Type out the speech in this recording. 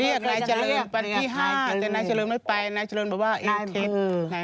เรียกนายเจริญวันที่หายแต่นายเจริญไม่ไปนายเจริญบอกว่าเองผิด